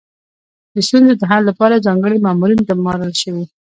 د ستونزو د حل لپاره ځانګړي مامورین ګمارل شوي.